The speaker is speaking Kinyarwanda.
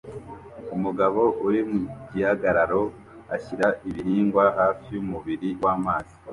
Umugabo uri mu gihagararo ashyira ibihingwa hafi yumubiri wamazi